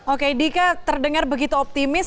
oke dika terdengar begitu optimis